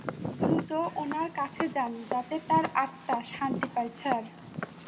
দ্রুত ওনার কাছে যান, যাতে তার আত্মা শান্তি পায়, স্যার।